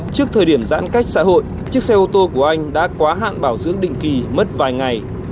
trước thời điểm giãn cách xã hội chiếc xe ô tô của anh đã quá hạn bảo dưỡng định kỳ mất vài ngày